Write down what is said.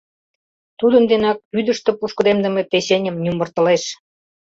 Тудын денак вӱдыштӧ пушкыдемдыме печеньым нюмыртылеш.